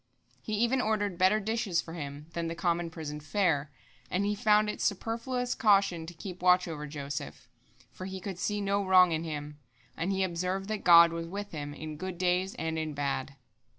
He even ordered better dishes for him than the common prison fare, and he found it superfluous caution to keep watch over Joseph, for he could see no wrong in him, and he observed that God was with him, in good days and in bad.